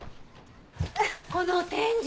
この天井！